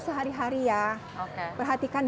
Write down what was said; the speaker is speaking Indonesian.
sehari hari ya perhatikan